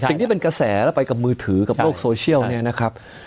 สิ่งที่เป็นกระแสแล้วไปกับมือถือกับโลกโซเชียลเนี่ยนะครับ